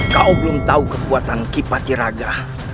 kau belum tahu kekuatan kipati raga